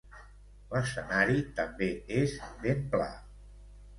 L'escenari també és ben pla.